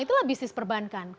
itulah bisnis perbankan